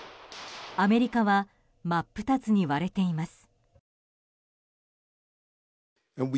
アメリカは真っ二つに割れています。